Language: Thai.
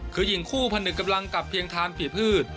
คือหญิงคู่ผนึกกำลังกับเพียงทานผีพืช